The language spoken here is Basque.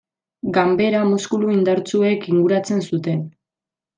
Ganbera muskulu indartsuek inguratzen zuten.